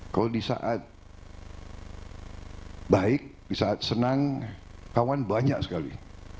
kalau di saat baik di saat senang kawan banyak sekali